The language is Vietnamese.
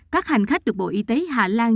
các hành khách được bộ y tế hà lan